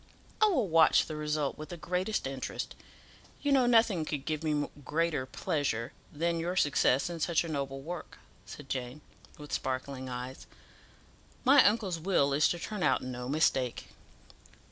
I will watch the result with the greatest interest. You know nothing could give me greater pleasure than your success in such a noble work," said Jane, with sparkling eyes. "My uncle's will is to turn out no mistake."